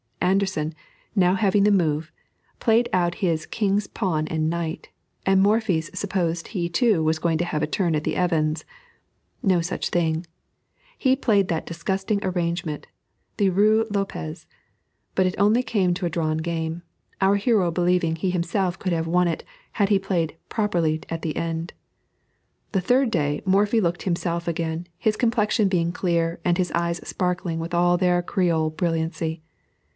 Anderssen, now having the move, played out his king's pawn and knight, and Morphy supposed he too was going to have a turn at the Evans'. No such thing; he played that disgusting arrangement, the Ruy Lopez; but it only came to a drawn game, our hero believing he himself could have won it, had he played properly at the end. The third day, Morphy looked himself again, his complexion being clear, and his eyes sparkling with all their Creole brilliancy.